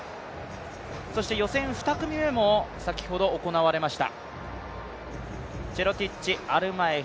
予選２組目も先ほど行われました。